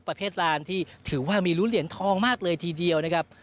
ประเภทลานที่ถือว่ามีรู้เหรียญทองมากเลยทีเดียวนะครับ